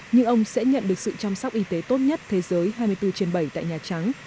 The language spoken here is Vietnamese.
nhưng ông sẽ nhận được sự chăm sóc y tế tốt nhất thế giới hai mươi bốn trên bảy tại nhà trắng